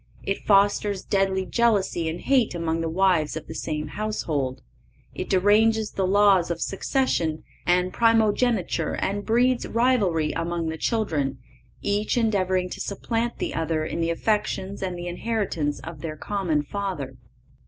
It fosters deadly jealousy and hate among the wives of the same household; it deranges the laws of succession and primogeniture and breeds rivalry among the children, each endeavoring to supplant the other in the affections and the inheritance of their common father.